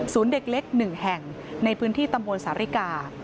ศูนย์เด็กเล็ก๑แห่งในพื้นที่ตำวนสาธาริกา